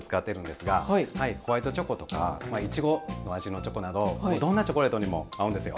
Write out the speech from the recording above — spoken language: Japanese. ホワイトチョコとかイチゴの味のチョコなどどんなチョコレートにも合うんですよ。